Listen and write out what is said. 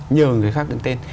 nhờ người khác đứng tên